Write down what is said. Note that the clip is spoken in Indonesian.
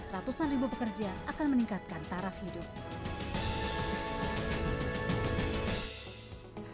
ratusan ribu pekerja akan meningkatkan taraf hidup